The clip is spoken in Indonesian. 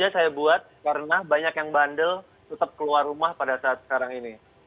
saya buat karena banyak yang bandel tetap keluar rumah pada saat sekarang ini